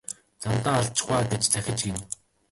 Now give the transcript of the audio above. Замдаа алдчихав аа гэж захиж гэнэ.